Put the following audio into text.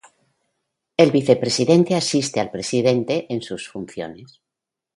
El vicepresidente asiste al presidente en sus funciones.